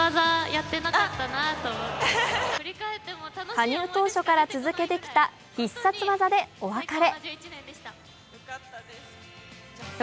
加入当初から続けてきた必殺技でお別れ。